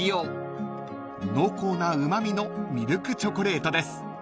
［濃厚なうま味のミルクチョコレートです］